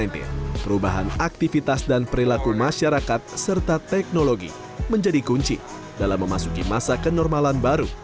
perubahan aktivitas dan perilaku masyarakat serta teknologi menjadi kunci dalam memasuki masa kenormalan baru